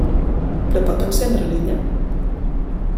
Però pot encendre l'illa?